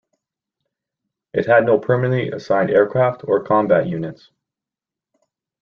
It had no permanently assigned aircraft or combat units.